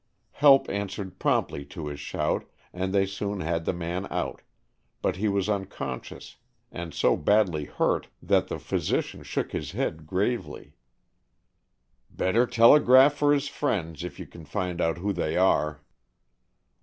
Help answered promptly to his shout, and they soon had the man out, but he was unconscious and so badly hurt that the physician shook his head gravely. "Better telegraph for his friends, if you can find out who they are."